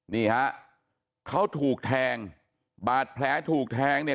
นี่ฮะเขาถูกแทงบาดแผลถูกแทงเนี่ย